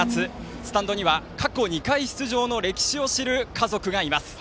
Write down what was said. スタンドには過去２回出場の歴史を知る家族がいます。